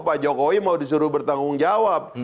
pak jokowi mau disuruh bertanggung jawab